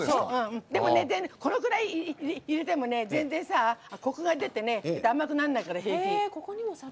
このくらい入れてもね全然コクが出て甘くならないから平気。